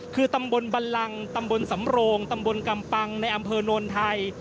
คือตำบลบันลังตำบลสำโรงตำบลกำปังในอำเภอโนนไทย